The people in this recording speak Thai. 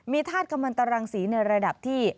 มีธาตุกำลังตรังศรีในระดับที่